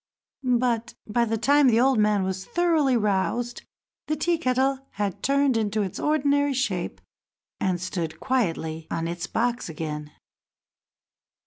But by the time the old man was thoroughly roused, the Tea kettle had turned into its ordinary shape, and stood quietly on its box again.